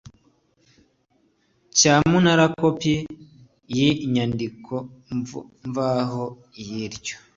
cyamunara kopi y inyandikomvaho y iryo